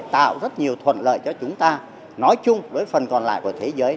tạo rất nhiều thuận lợi cho chúng ta nói chung với phần còn lại của thế giới